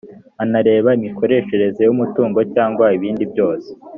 anareba imikoreshereze y’umutungo cyangwa ibindi byose